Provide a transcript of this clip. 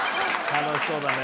「楽しそうだね」